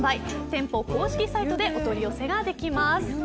店舗公式サイトでお取り寄せができます。